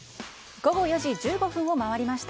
午後４時１５分を回りました。